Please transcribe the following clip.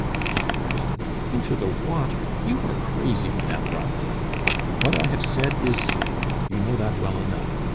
cried her husband; "into the water! You are crazy, Madame Grandet! What I have said is said; you know that well enough.